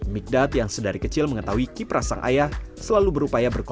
migdat yang sedari kecil mengetahui kiprah sang ayah selalu berupaya berkontri